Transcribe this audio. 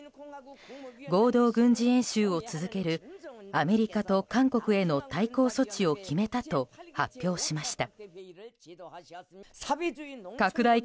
合同軍事演習を続けるアメリカと韓国への対抗措置を決めたと発表しました。